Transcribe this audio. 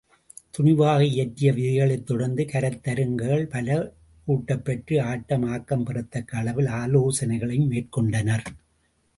துணிவாக இயற்றிய விதிகளைத் தொடர்ந்து, கருத்தரங்குகள் பல கூட்டப்பெற்று, ஆட்டம் ஆக்கம் பெறத்தக்க அளவில் ஆலோசனைகளையும் மேற்கொண்டனர்.